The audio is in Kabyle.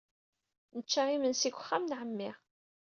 Nečča imensi deg uxxam n ɛemmi.